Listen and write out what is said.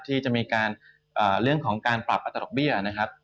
ที่จะมีการเรื่องของการปรับอัตราดอกเบี้ยนะครับ